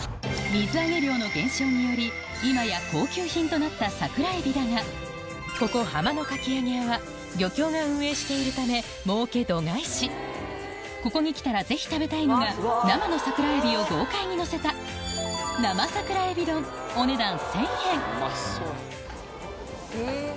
水揚げ量の減少により今や高級品となった桜えびだがここ「浜のかきあげや」は漁協が運営しているためもうけ度外視ここに来たらぜひ食べたいのが生の桜えびを豪快にのせたうまそう。